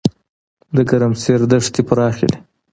د ګرمسیر دښتې پراخې دي